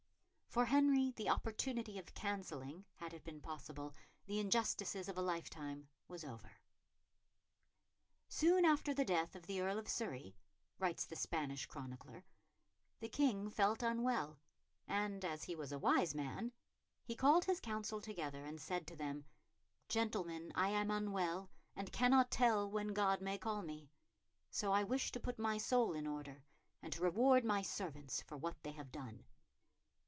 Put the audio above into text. For Henry the opportunity of cancelling, had it been possible, the injustices of a lifetime was over. "Soon after the death of the Earl of Surrey," writes the Spanish chronicler, "the King felt unwell; and, as he was a wise man, he called his council together, and said to them, 'Gentlemen, I am unwell, and cannot tell when God may call me, so I wish to put my soul in order, and to reward my servants for what they have done.